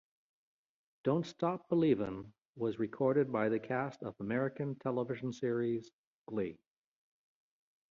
"Don't Stop Believin was recorded by the cast of American television series, "Glee".